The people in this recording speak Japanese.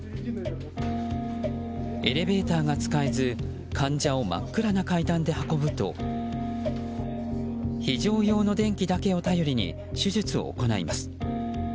エレベーターが使えず患者を真っ暗な階段で運ぶと非常用の電気だけを頼りに手術を行います。